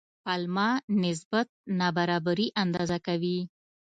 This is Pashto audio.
پالما نسبت نابرابري اندازه کوي.